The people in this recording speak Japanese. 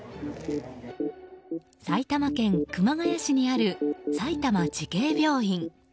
埼玉県熊谷市にある埼玉慈恵病院。